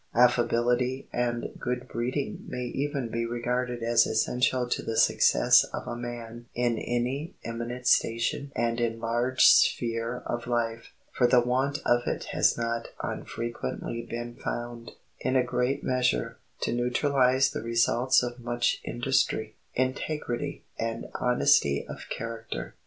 Affability and good breeding may even be regarded as essential to the success of a man in any eminent station and enlarged sphere of life, for the want of it has not unfrequently been found, in a great measure, to neutralize the results of much industry, integrity, and honesty of character.